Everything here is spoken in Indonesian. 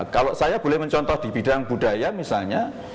kalau saya boleh mencontoh di bidang budaya misalnya